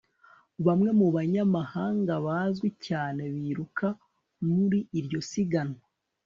Bamwe mu banyamahanga bazwi cyane biruka muri iryo siganwa